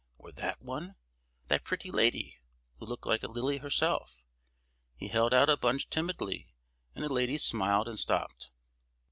or that one? that pretty lady, who looked like a lily herself? He held out a bunch timidly, and the lady smiled and stopped.